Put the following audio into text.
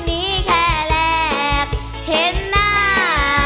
นี้แค่แรกเห็นหน้า